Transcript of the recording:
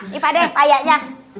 nih pade payahnya